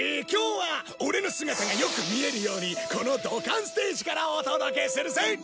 今日はオレの姿がよく見えるようにこのドカンステージからお届けするぜ！